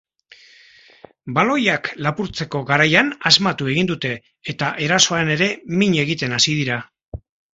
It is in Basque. Baloiak lapurtzeko garaian asmatu egin dute eta erasoan ere min egiten hasi dira.